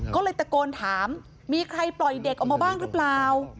ก็เลยตะโกนถามมีใครปล่อยเด็กออกมาบ้างหรือเปล่า